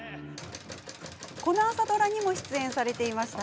この朝ドラにも出演されてました。